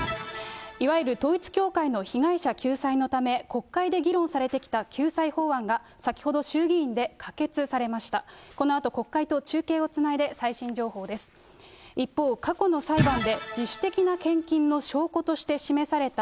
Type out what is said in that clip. いわゆる統一教会の被害者救済のため、国会で議論されてきた救済法案が、先ほど衆議院で可決されました。